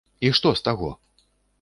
І што з таго?